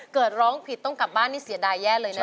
ร้องผิดต้องกลับบ้านนี่เสียดายแย่เลยนะ